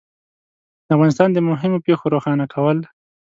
د افغانستان د مهمو پېښو روښانه کول